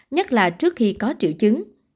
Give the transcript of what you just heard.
nhất là trước khi có triệu chứng